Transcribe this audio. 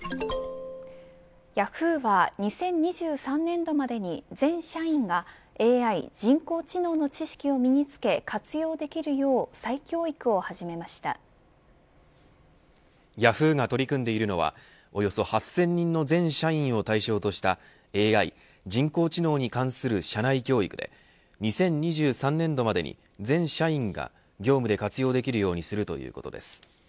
ヤフーは２０２３年度までに全社員がＡＩ、人工知能の知識を身につけ活用できるようヤフーが取り組んでいるのはおよそ８０００人の全社員を対象としたＡＩ人工知能に関する社内教育で２０２３年度までに全社員が業務で活用できるにするということです。